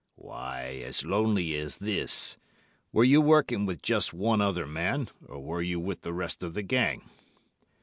"'Why, as lonely as this? Were you working with just one other man, or were you with the rest of the gang?